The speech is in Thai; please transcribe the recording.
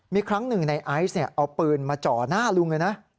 มีครั้งหนึ่งนายไอซ์เอาปืนมาเจาะหน้าลุง